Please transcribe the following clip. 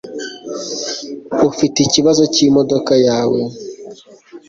Ufite ikibazo cyimodoka yawe